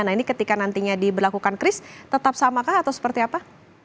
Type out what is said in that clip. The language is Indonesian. nah ini ketika nantinya diberlakukan kris tetap samakah atau seperti apa